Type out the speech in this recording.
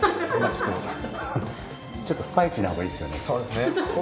ちょっとスパイシーなほうがいいですよね。